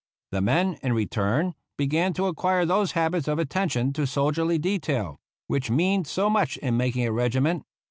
The men, in return, began to acquire those habits of attention to soldierly detail which mean so much in making a regiment.